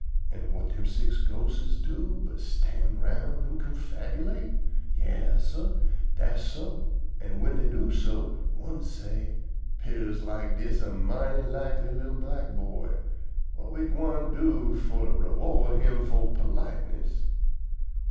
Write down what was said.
An' whut dem six ghostes do but stand round an' confabulate? Yas, sah, dass so. An' whin dey do so, one say: "'Pears like dis a mighty likely li'l black boy. Whut we gwine do fo' to _re_ward him fo' politeness?"